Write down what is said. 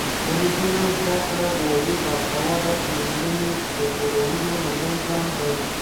د نجونو زده کړه د یوې باسواده ټولنې د جوړولو لومړی ګام دی.